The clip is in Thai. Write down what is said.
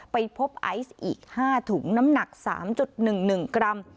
ไปพบไอซ์อีก๕ถุงน้ำหนัก๓๑๑กรัม